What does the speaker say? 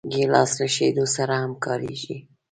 ګیلاس له شیدو سره هم کارېږي.